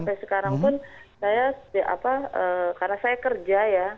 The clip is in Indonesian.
karena sampai sekarang pun saya apa karena saya kerja ya